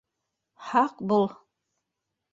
Һаҡ бул.